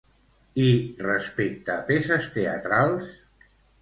I respecte a peces teatrals?